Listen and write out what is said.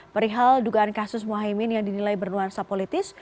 perihal dugaan kasus mohaimin yang dinilai bernuansa politis